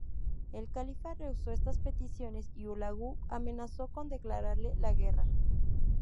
El califa rehusó estas peticiones y Hulagu amenazó con declararle la guerra.